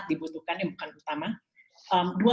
itu tentang katak tertentu